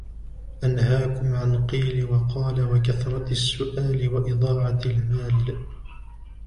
أَنْهَاكُمْ عَنْ قِيلَ وَقَالَ وَكَثْرَةِ السُّؤَالِ وَإِضَاعَةِ الْمَالِ